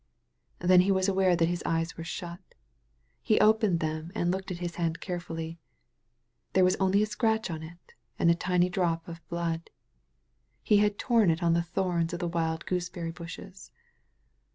Then he was aware that his eyes were shut. He opened them and looked at his hand carefully. There was only a scratch on it, and a tiny drop of blood. He had torn it on the thorns of the wild gooseberry bushes.